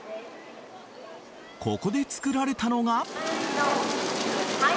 ここで作られたのが。